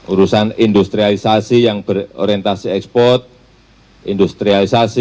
urusan industrialisasi yang berorientasi ekspor industrialisasi